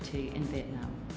trong việt nam